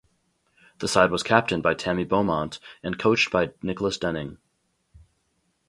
The side was captained by Tammy Beaumont and coached by Nicholas Denning.